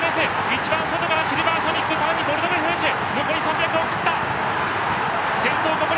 一番外からシルヴァーソニックさらにボルドグフーシュ！